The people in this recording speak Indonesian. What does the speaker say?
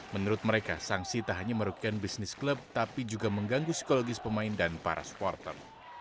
menurut mereka sanksi tak hanya merugikan bisnis klub tapi juga mengganggu psikologis pemain dan para supporter